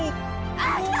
あっきた！